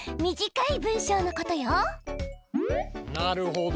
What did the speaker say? なるほど。